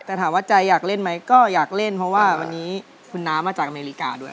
แต่ถามว่าใจอยากเล่นไหมก็อยากเล่นเพราะว่าวันนี้คุณน้ามาจากอเมริกาด้วย